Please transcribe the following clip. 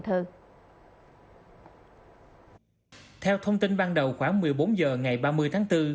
theo thông tin ban đầu khoảng một mươi bốn h ngày ba mươi tháng bốn